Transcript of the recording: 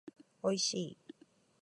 おいしい